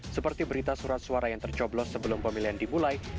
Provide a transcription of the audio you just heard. seperti berita surat suara yang tercoblos sebelum pemilihan dimulai